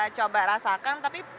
coba rasakan tapi